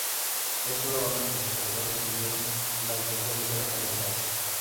Es probable que los corredores tuvieron la intención de ser alineados.